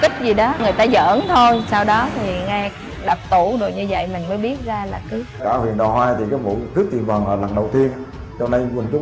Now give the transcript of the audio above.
trước thời xảy ra vụ án